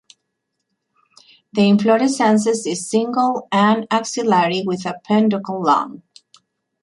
The inflorescences is single and axillary with a peduncle long.